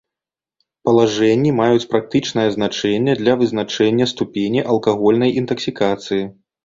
Палажэнні маюць практычнае значэнне для вызначэння ступені алкагольнай інтаксікацыі.